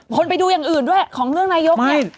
ไปดูอย่างอื่นด้วยของเรื่องนายกเนี่ย